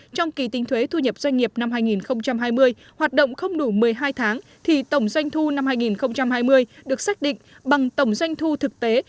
trong kỳ tính thuế thu nhập doanh nghiệp năm hai nghìn hai mươi hoạt động không đủ một mươi hai tháng thì tổng doanh thu năm hai nghìn hai mươi được xác định bằng tổng doanh thu thực tế